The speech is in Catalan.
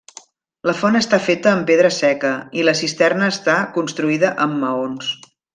La font està feta amb pedra seca, i la cisterna està construïda amb maons.